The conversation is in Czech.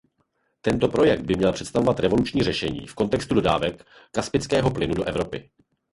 Tento projekt by měl představovat revoluční řešení v kontextu dodávek kaspického plynu do Evropy.